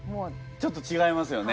ちょっとちがいますよね。